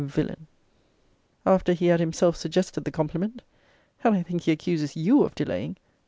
Villain! After he had himself suggested the compliment! And I think he accuses YOU of delaying!